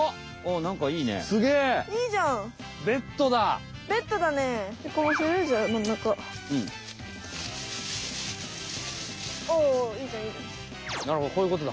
なるほどこういうことだ。